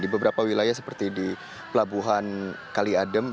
di beberapa wilayah seperti di pelabuhan kali adem